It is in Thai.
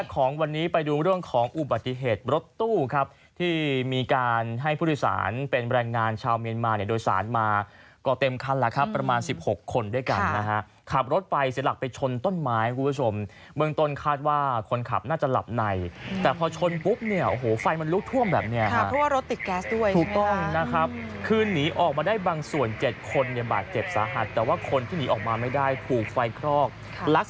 ของวันนี้ไปดูเรื่องของอุบัติเหตุรถตู้ครับที่มีการให้พุทธศาลเป็นแบรนด์งานชาวเมียนมาโดยสารมาก็เต็มคันแล้วครับประมาณสิบหกคนด้วยกันนะฮะขับรถไปเสียหลักไปชนต้นไม้คุณผู้ชมเมืองต้นคาดว่าคนขับน่าจะหลับในแต่พอชนปุ๊บเนี่ยโอ้โหไฟมันลุกท่วมแบบเนี้ยฮะค่ะเพราะว่ารถติดแก๊ส